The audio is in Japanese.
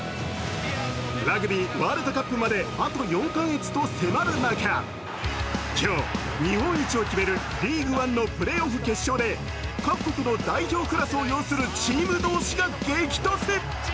ラグビーワールドカップまであと４か月と迫る中、今日、日本一を決めるＬＥＡＧＵＥＯＮＥのプレーオフ決勝で各国の代表クラスを擁するチーム同士が激突。